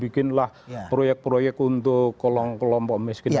bikinlah proyek proyek untuk kelompok miskin